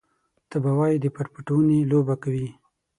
ته به وايې د پټ پټوني لوبه کوي.